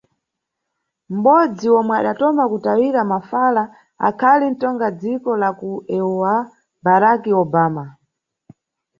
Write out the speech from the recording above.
Mʼbodzi omwe adatoma kutayira mafala akhali ntonga dziko la ku EUA, Barack Obama.